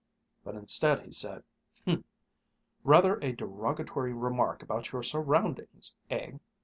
But instead he said, "Humph! Rather a derogatory remark about your surroundings, eh?"